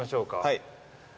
はい。